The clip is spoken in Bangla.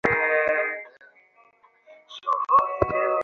কয়েক বার বলল, বিরাট বোকামি হয়েছে।